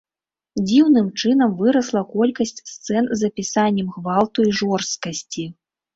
Дзіўным чынам вырасла колькасць сцэн з апісаннем гвалту і жорсткасці.